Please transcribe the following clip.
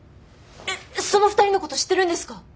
えっその２人のこと知ってるんですか？